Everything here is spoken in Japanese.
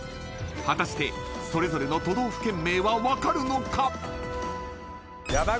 ［果たしてそれぞれの都道府県名は分かるのか？］